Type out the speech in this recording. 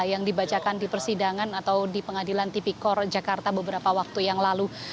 yang dibacakan di persidangan atau di pengadilan tipikor jakarta beberapa waktu yang lalu